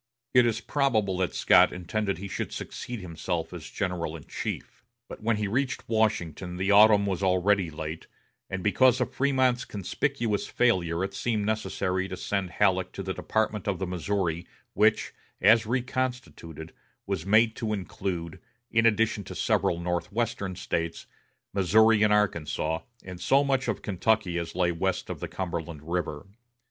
It is probable that Scott intended he should succeed himself as general in chief; but when he reached Washington the autumn was already late, and because of Frémont's conspicuous failure it seemed necessary to send Halleck to the Department of the Missouri, which, as reconstituted, was made to include, in addition to several northwestern States, Missouri and Arkansas, and so much of Kentucky as lay west of the Cumberland River.